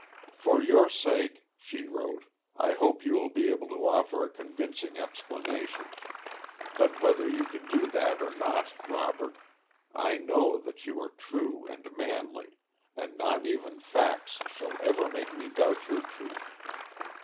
"For your sake," she wrote, "I hope you will be able to offer a convincing explanation; but whether you can do that or not, Robert, I know that you are true and manly, and not even facts shall ever make me doubt your truth.